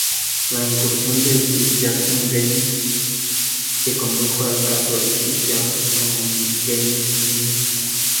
La incursión en Steve Jackson Games, que condujo al caso "Steve Jackson Games, Inc.